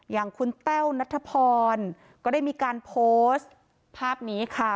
อย่างคุณแต้วนัทพรก็ได้มีการโพสต์ภาพนี้ค่ะ